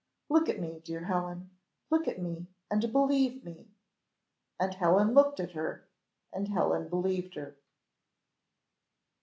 Look at me, dear Helen, look at me and believe me." And Helen looked at her, and Helen believed her.